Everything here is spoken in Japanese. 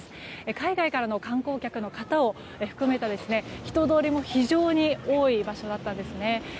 海外からの観光客の方を含めた人通りも非常に多い場所だったんですね。